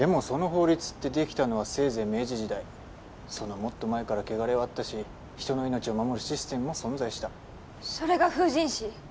その法律ってできたのはせいぜい明治時代そのもっと前から穢れはあったし人の命を守るシステムも存在したそれが封刃師？